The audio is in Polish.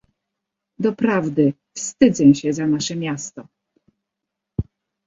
"Doprawdy, wstydzę się za nasze miasto!..."